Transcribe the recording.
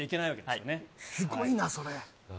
すごいな、それ。